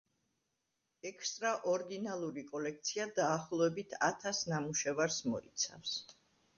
ექსტრაორდინალური კოლექცია დაახლოებით ათას ნამუშევარს მოიცავს.